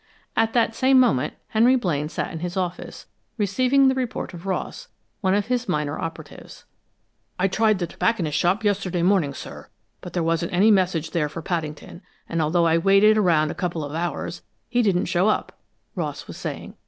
At that same moment Henry Blaine sat in his office, receiving the report of Ross, one of his minor operatives. "I tried the tobacconist's shop yesterday morning, sir, but there wasn't any message there for Paddington, and although I waited around a couple of hours he didn't show up," Ross was saying.